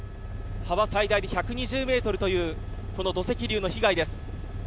幅、最大で１２０ｍというこの土石流の被害です。